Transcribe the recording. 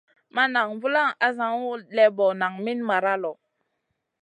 Ma nan vulaŋ asaŋu lébo naŋ min mara lo.